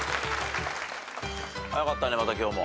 はやかったねまた今日も。